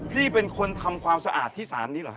พี่เป็นคนทำความสะอาดที่ศาลนี้เหรอฮ